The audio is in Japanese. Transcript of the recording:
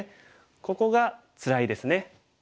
ここがつらいですね。